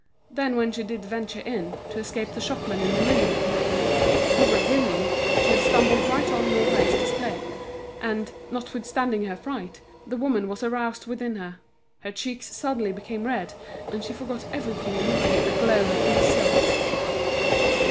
Then when she did venture in, to escape the shopmen in the linen department, who were grinning, she had stumbled right on to Mouret's display; and, notwithstanding her fright, the woman was aroused within her, her cheeks suddenly became red, and she forgot everything in looking at the glow of these silks.